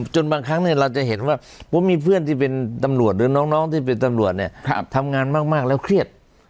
จนบางครั้งเราจะเห็นว่าผมมีเพื่อนที่เป็นตำรวจหรือน้องที่เป็นตำรวจเนี่ยทำงานมากแล้วเครียด